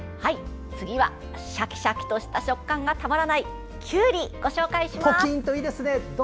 次はシャキシャキとした食感がたまらないきゅうり、ご紹介します。